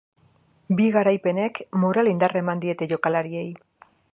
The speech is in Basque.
Bi garaipenek moral indarra eman diete jokalariei.